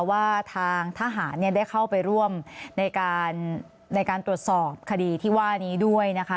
ว่าทางทหารได้เข้าไปร่วมในการตรวจสอบคดีที่ว่านี้ด้วยนะคะ